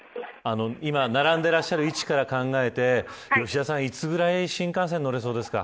今並んでいらっしゃる位置から考えて吉田さんはいつぐらいに新幹線に乗れそうですか。